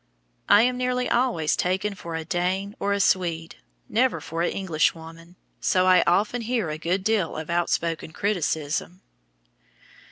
I am nearly always taken for a Dane or a Swede, never for an Englishwoman, so I often hear a good deal of outspoken criticism.